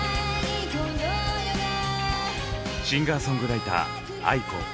シンガーソングライターａｉｋｏ。